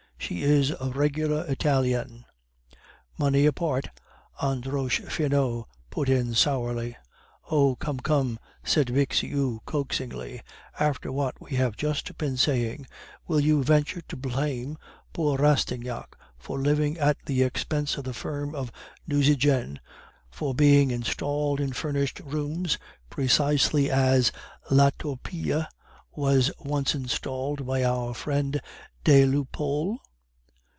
She is a regular Italian." "Money apart," Andoche Finot put in sourly. "Oh, come, come," said Bixiou coaxingly; "after what we have just been saying, will you venture to blame poor Rastignac for living at the expense of the firm of Nucingen, for being installed in furnished rooms precisely as La Torpille was once installed by our friend des Lupeaulx?